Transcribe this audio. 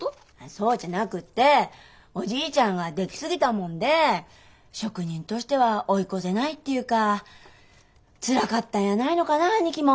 そうじゃなくっておじいちゃんができすぎたもんで職人としては追い越せないっていうかつらかったんやないのかな兄貴も。